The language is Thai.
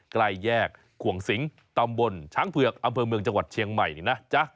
ใกล้แยกขวงสิงตำบลช้างเผือกอำเภอเมืองจังหวัดเชียงใหม่นี่นะจ๊ะ